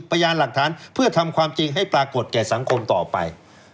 พยานหลักฐานเพื่อทำความจริงให้ปรากฏแก่สังคมต่อไป